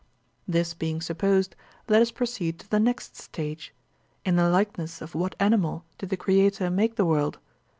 This being supposed, let us proceed to the next stage: In the likeness of what animal did the Creator make the world?